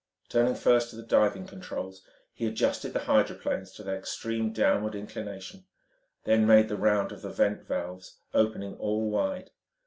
Turning first to the diving controls, he adjusted the hydroplanes to their extreme downward inclination, then made the rounds of the vent valves, opening all wide.